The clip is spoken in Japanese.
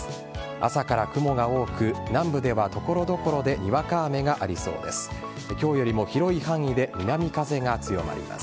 朝から雲が多く南部では所々で、にわか雨がありそうです。